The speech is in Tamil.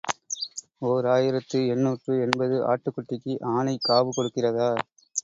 ஓர் ஆயிரத்து எண்ணூற்று எண்பது ஆட்டுக்குட்டிக்கு ஆனை காவு கொடுக்கிறதா?